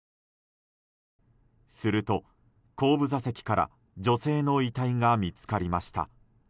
すると、後部座席から女性の遺体が見つかりました。